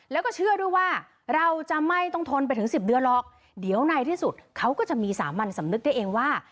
แล้วก็เชื่อด้วยว่าเราจะไม่ต้องทนไปถึงสิบเดือนหรอกเดี๋ยวในที่สุดเขาก็จะมีสามัญสำนึกได้เองว่า